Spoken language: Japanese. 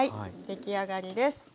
出来上がりです。